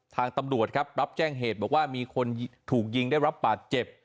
ทางตำรวจครับรับแจ้งเหตุบอกว่ามีคนถูกยิงได้รับบาดเจ็บ